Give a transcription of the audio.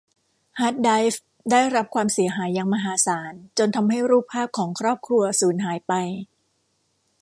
ฮาร์ดไดรฟ์ได้รับความเสียหายอย่างมหาศาลจนทำให้รูปภาพของครอบครัวสูญหายไป